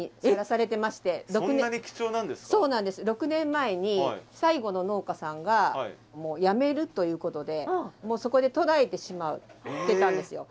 そうなんです６年前に最後の農家さんがもうやめるということでもうそこで途絶えてしまってたんですよ。